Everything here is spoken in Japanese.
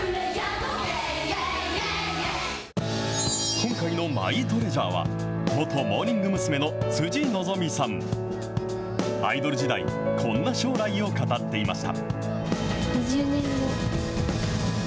今回のマイトレジャーは、元モーニング娘。の辻希美さん。アイドル時代、こんな将来を語っていました。